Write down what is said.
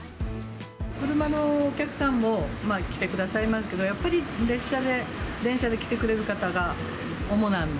車のお客さんも来てくださいますけど、やっぱり、電車で来てくださる方が主なので。